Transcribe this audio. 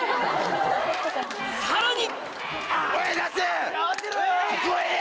さらに！